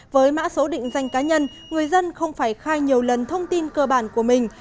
với mã số định danh cá nhân người dân không phải khai nhiều lần thông tin cơ bản của mình